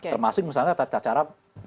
termasuk misalnya tata cara